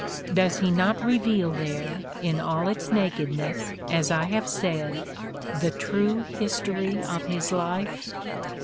— does he not re veal there, in all its nakedness, as I have said, the true history of his life?